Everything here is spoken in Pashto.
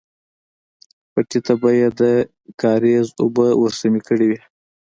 پټي ته به يې د کاريز اوبه ورسمې کړې وې.